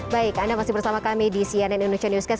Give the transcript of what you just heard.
baik anda masih bersama kami di cnn indonesia newscast